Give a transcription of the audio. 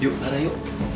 yuk lara yuk